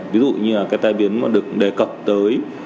ví dụ như là cái tai biến mà được đề cập tới